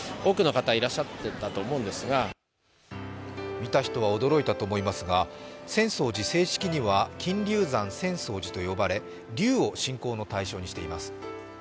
見た人は驚いたと思いますが、浅草寺、正式には金龍山浅草寺と呼ばれ龍を信仰の対象の１つとしています